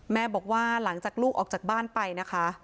แม่บอกว่าหลังจากลูกออกจากบ้านไปนะคะ